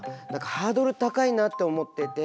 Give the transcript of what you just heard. ハードル高いなって思ってて。